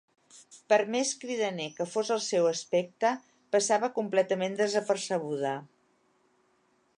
Per més cridaner que fos el seu aspecte, passava completament desapercebuda.